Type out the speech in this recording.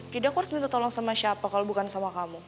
jadi aku harus minta tolong sama siapa kalau bukan sama kamu